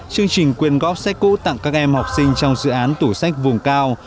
chương trình quyên góp sách cũ tặng các em học sinh trong dự án tủ sách vùng cao